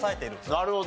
なるほど。